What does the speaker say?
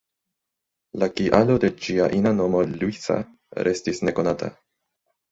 La kialo de ĝia ina nomo ""Luisa"" restis nekonata.